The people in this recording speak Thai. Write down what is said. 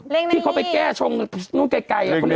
เล่นใน๒๒ที่เขาไปแก้ชงนู้นไกลคือเรียกว่าอะไรเล่นใน๒๒